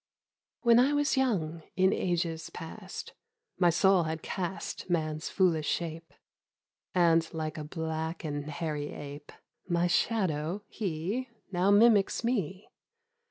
WHEN I was young, in ages past My soul had cast Man's foolish shape, And like a black and hairy ape — My shadow, he Now mimics me.